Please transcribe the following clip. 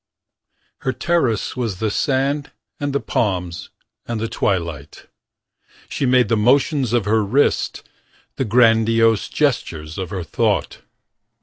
Her terrace was the sand And the palms and the twilight. She made of the motions of her wrist The grandiose gestures Of her thought.